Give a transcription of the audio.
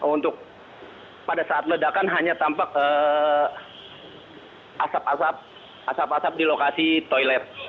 untuk pada saat ledakan hanya tampak asap asap asap asap di lokasi toilet